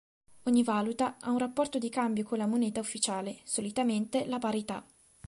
Ogni valuta ha un rapporto di cambio con la moneta ufficiale, solitamente la parità.